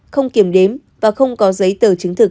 không kiểm đếm và không có giấy tờ chứng thực